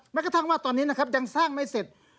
แม้กระทั่งว่าตอนนี้นะครับยังสร้างไม่เสร็จ